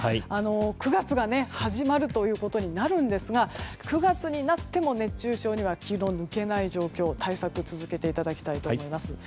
９月が始まるということになるんですが９月になっても熱中症には気の抜けない状況対策を続けていただきたいと思います。